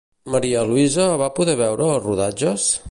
María Luisa va poder veure els rodatges?